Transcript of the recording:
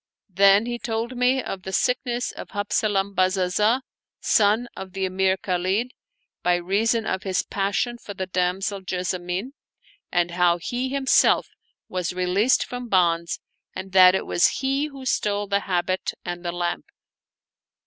Then he told me of the sickness of Habzalam Bazazah, son of the Emir Khalid, by reason of his passion for the damsel Jessamine, and how he himself was released from bonds, and that it was he who stole the habit and the lamp.